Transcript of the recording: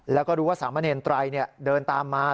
แล้วก็ดูว่าสามเณรไตร่เนี่ยเดินตามมา